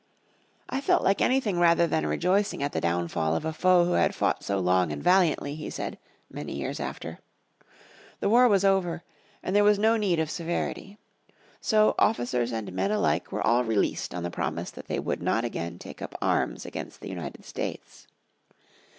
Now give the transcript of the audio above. "I felt like anything rather than rejoicing at the downfall of a foe who had fought so long and valiantly," he said many years after. The war was over, and there was no need of severity. So officers and men alike were all released on the promise that they would not again take up arms against the United States.